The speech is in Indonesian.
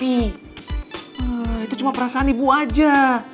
itu cuma perasaan ibu aja